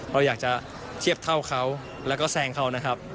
เราอยากจะเทียบเท่าเขาแล้วก็แซงเขานะครับ